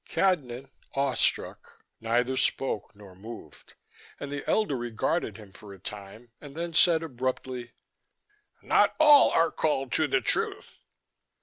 Cadnan, awestruck, neither spoke nor moved, and the elder regarded him for a time and then said abruptly: "Not all are called to the truth."